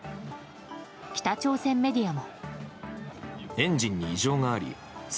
北朝鮮メディアも。